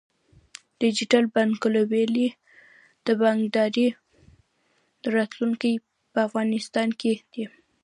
ډیجیټل بانکوالي د بانکدارۍ راتلونکی په افغانستان کې دی۔